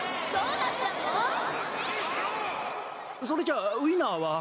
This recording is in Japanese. それじゃあウィナーは？